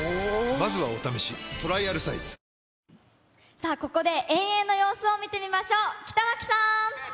さあ、ここで遠泳の様子を見てみましょう。